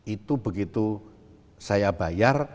itu begitu saya bayar